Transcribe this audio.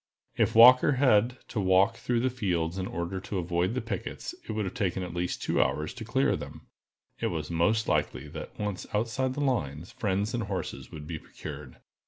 If Walker had to walk through the fields in order to avoid the pickets, it would take at least two hours to clear them. It was most likely that, once outside the lines, friends and horses would be procured.